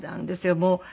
もう。